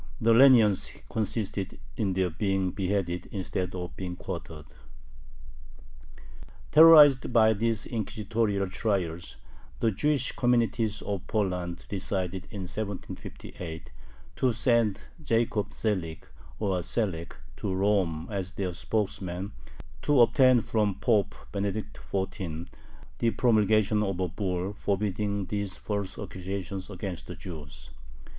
The leniency consisted in their being beheaded instead of being quartered. Terrorized by these inquisitorial trials, the Jewish communities of Poland decided, in 1758, to send Jacob Zelig (or Selek) to Rome as their spokesman, to obtain from Pope Benedict XIV. the promulgation of a bull forbidding these false accusations against the Jews.